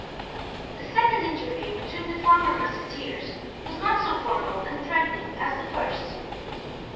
The second interview between the former musketeers was not so formal and threatening as the first.